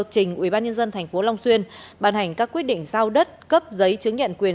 trình ubnd thành phố long xuyên bàn hành các quyết định giao đất cấp giấy chứng nhận quyền